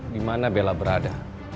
dimana bella berada